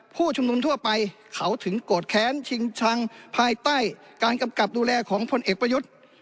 ผู้ชุมนุมทั่วไปเขาถึงโกรธแค้นชิงชังภายใต้การกำกับดูแลของพลเอกประยุทธ์